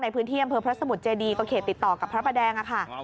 ในพื้นที่อำเภอพระสมุทรเจดีก็เขตติดต่อกับพระประแดงค่ะ